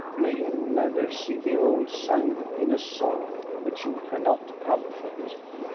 May you never see the old sunk in a sorrow which you cannot comfort.